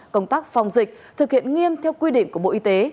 công tác phòng dịch thực hiện nghiêm theo quy định của bộ y tế